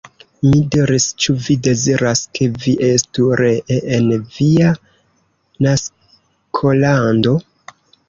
Mi diris, Ĉu vi deziras, ke vi estu ree en via naskolando?